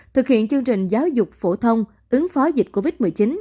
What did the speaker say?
thực hiện chương trình giáo dục phổ thông ứng phó dịch covid một mươi chín